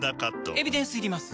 エビデンスいります？